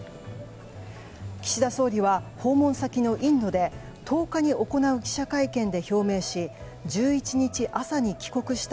岸田総理は訪問先のインドで１０日に行う記者会見で表明し１１日朝に帰国した